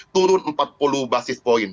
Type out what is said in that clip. turun empat puluh basis point